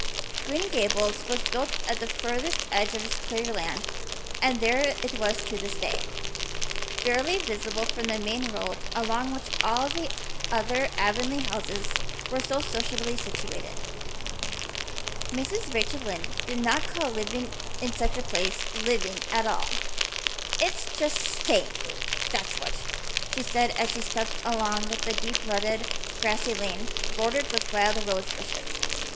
Green Gables was built at the furthest edge of his cleared land and there it was to this day, barely visible from the main road along which all the other Avonlea houses were so sociably situated. Mrs. Rachel Lynde did not call living in such a place living at all. "It's just staying, that's what," she said as she stepped along the deep rutted, grassy lane bordered with wild rose bushes.